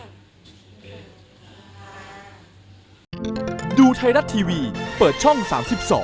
ขอบคุณมากค่ะ